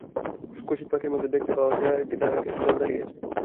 ক্বচিৎ ফাঁকের মধ্যে দেখতে পাওয়া যায় আল দিয়ে বাঁধা কচি ধানের খেতে জল দাঁড়িয়েছে।